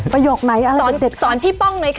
ประโยคไหนอะไรสอนพี่ป้องหน่อยค่ะ